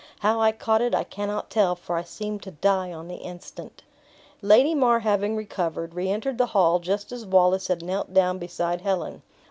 How I caught it I cannot tell, for I seemed to die on the instant." Lady Mar having recovered, re entered the hall just as Wallace had knelt down beside Helen.